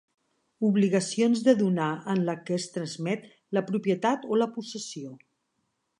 Obligacions de donar en la que es transmet la propietat o la possessió.